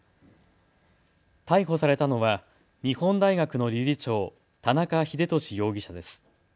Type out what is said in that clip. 逮捕されたのは日本大学の理事長、田中英壽容疑者です。